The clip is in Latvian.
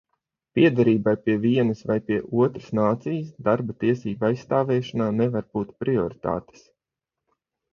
Piederībai pie vienas vai pie otras nācijas darba tiesību aizstāvēšanā nevar būt prioritātes.